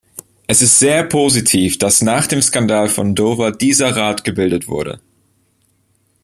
Es ist sehr positiv, dass nach dem Skandal von Dover dieser Rat gebildet wurde.